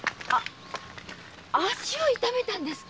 足を痛めたんですか？